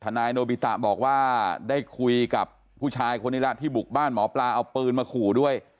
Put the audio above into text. นายโนบิตะบอกว่าได้คุยกับผู้ชายคนนี้แล้วที่บุกบ้านหมอปลาเอาปืนมาขู่ด้วย